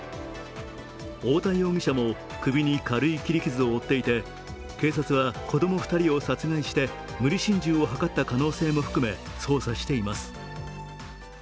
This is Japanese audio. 太田容疑者も首に軽い切り傷を負っていて警察は子供２人を殺害して無理心中を図った可能性も含め捜査しています。